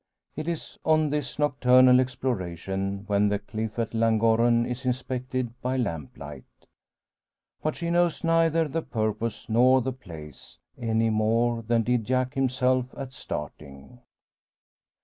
It is on this nocturnal exploration, when the cliff at Llangorren is inspected by lamplight. But she knows neither the purpose nor the place, any more than did Jack himself at starting.